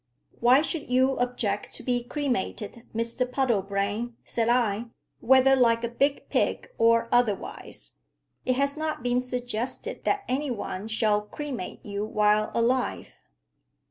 "Why should you object to be cremated, Mr Puddlebrane," said I, "whether like a big pig or otherwise? It has not been suggested that any one shall cremate you while alive."